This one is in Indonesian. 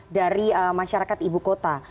dari masyarakat ibu kota